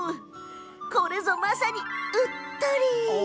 これぞまさに、うっとり！